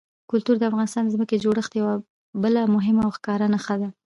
کلتور د افغانستان د ځمکې د جوړښت یوه بله مهمه او ښکاره نښه ده.